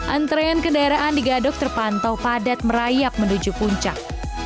antrean kendaraan di gadok terpantau padat merayap menuju puncak